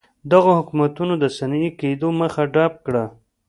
دغو حکومتونو د صنعتي کېدو مخه ډپ کړه.